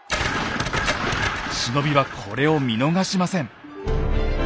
忍びはこれを見逃しません。